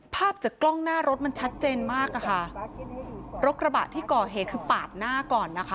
ภาพจากกล้องหน้ารถมันชัดเจนมากอะค่ะรถกระบะที่ก่อเหตุคือปาดหน้าก่อนนะคะ